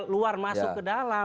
luar masuk ke dalam